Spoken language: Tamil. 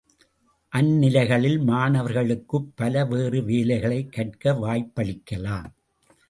அந்நிலைகளில், மாணவர்களுக்குப் பல்வேறு வேலைகளைக் கற்க வாய்ப்பளிக்கலாம்.